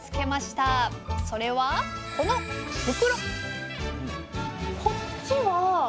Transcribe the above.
それはこの袋